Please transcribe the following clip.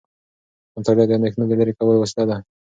مطالعه د اندیښنو د لرې کولو وسیله ده.